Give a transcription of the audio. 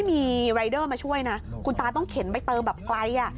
มะช่วยนะคุณต้าต้องเข็นไปเติมแบบใกล้